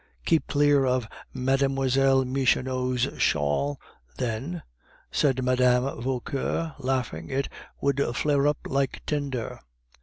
"Keep clear of Mlle. Michonneau's shawl, then," said Mme. Vauquer, laughing; "it would flare up like tinder."